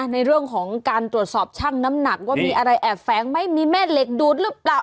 ในเรื่องของการตรวจสอบช่างน้ำหนักว่ามีอะไรแอบแฝงไหมมีแม่เหล็กดูดหรือเปล่า